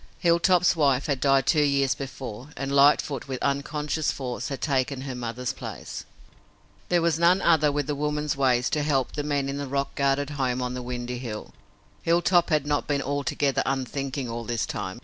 Hilltop's wife had died two years before, and Lightfoot, with unconscious force, had taken her mother's place. There was none other with woman's ways to help the men in the rock guarded home on the windy hill. Hilltop had not been altogether unthinking all this time.